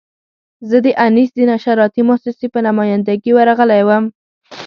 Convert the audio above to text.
زه د انیس د نشراتي مؤسسې په نماینده ګي ورغلی وم.